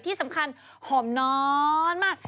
ที่สำคัญหอมน้อนมาก